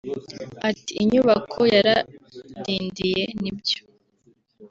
Ati “ Inyubako yaradindiye nibyo